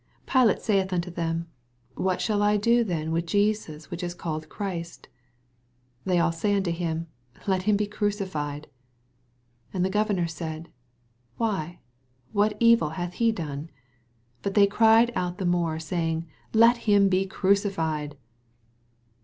22 Pilate suth unto them. What shall I do then with Jesus which ia called Christ ? Th^ all say unto him. Let him be crucified. 28 And the governor said, Why, what evil hath ne done ? But they cried out the more, saying. Let him be crucified.